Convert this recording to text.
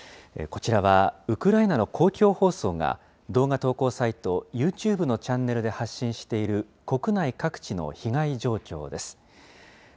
こちらはウクライナの公共放送が、動画投稿サイト、ユーチューブのチャンネルで発信している、国内各地の被害状況です。